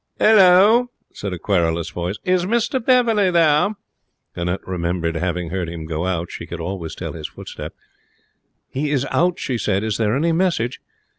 'Halloa!' said a querulous voice. 'Is Mr Beverley there?' Annette remembered having heard him go out. She could always tell his footstep. 'He is out,' she said. 'Is there any message?'